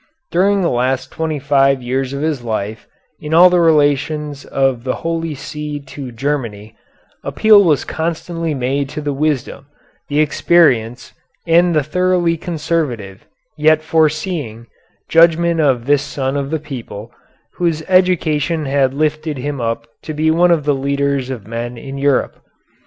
During the last twenty five years of his life in all the relations of the Holy See to Germany, appeal was constantly made to the wisdom, the experience, and the thoroughly conservative, yet foreseeing, judgment of this son of the people, whose education had lifted him up to be one of the leaders of men in Europe.